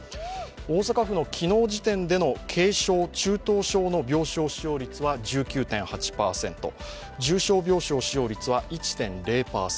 大阪府の昨日時点での軽症・中等症の病床使用率は１９．８％、重症病床使用率は１．０％。